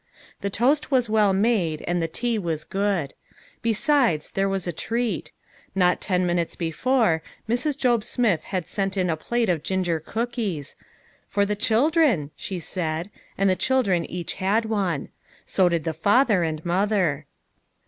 The toast was well made, and the tea was good. Besides, there was a treat ; not ten minutes be fore, Mrs. Job Smith had sent in a plate of gin ger cookies ;" for the children," she said, and the children each had one. So did the father and mother.